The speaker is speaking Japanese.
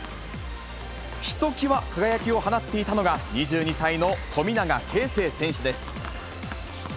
ひときわ輝きを放っていたのが、２２歳の富永啓生選手です。